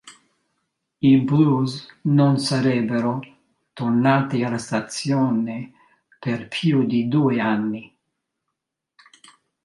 I "Blues" non sarebbero tornati alla stazione per più di due anni.